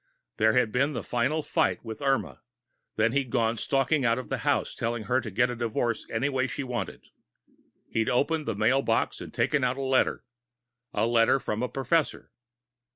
There had been the final fight with Irma, when he'd gone stalking out of the house, telling her to get a divorce any way she wanted. He'd opened the mail box and taken out a letter a letter from a Professor....